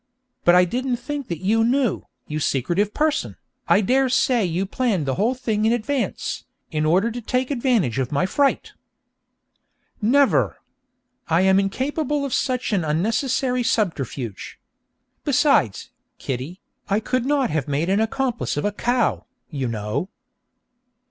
But I didn't think that you knew, you secretive person! I dare say you planned the whole thing in advance, in order to take advantage of my fright!' 'Never! I am incapable of such an unnecessary subterfuge! Besides, Kitty, I could not have made an accomplice of a cow, you know.'